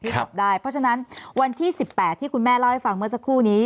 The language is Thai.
จับได้เพราะฉะนั้นวันที่๑๘ที่คุณแม่เล่าให้ฟังเมื่อสักครู่นี้